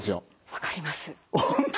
分かります。